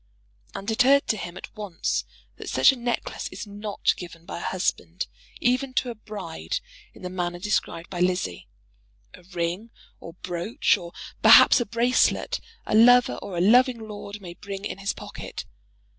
And it occurred to him at once that such a necklace is not given by a husband even to a bride in the manner described by Lizzie. A ring, or brooch, or perhaps a bracelet, a lover or a loving lord may bring in his pocket.